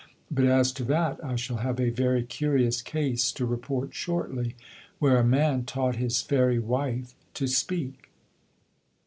But as to that I shall have a very curious case to report shortly, where a man taught his fairy wife to speak.